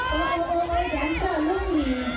โอ้โหรักษณะน้วก่อน